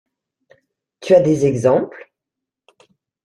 Tu as des exemples?